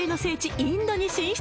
インドに進出！